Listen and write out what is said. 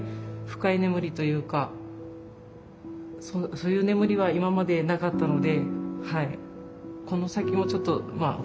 そういう眠りは今までなかったのではい。